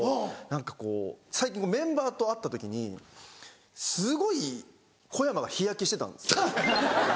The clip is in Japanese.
何かこう最近メンバーと会った時にすごい小山が日焼けしてたんです。